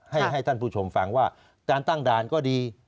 ให้ท่านผู้ชมฟังว่าการตั้งด่านก็ดี